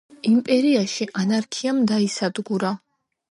იმპერიაში ანარქიამ დაისადგურა.